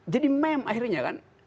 jadi mem akhirnya kan